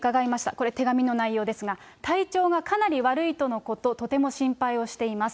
これ、手紙の内容ですが、体調がかなり悪いとのこと、とても心配をしています。